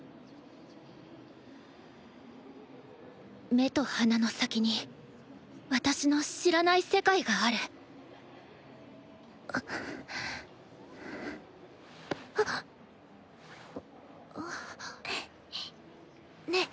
目と鼻の先に私の知らない世界があるねえ！